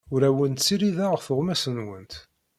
Ur awent-ssirideɣ tuɣmas-nwent.